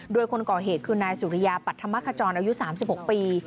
โดยคนก่อเหตุคือนายสุริยาปัธมขจรอายุ๓๖ปี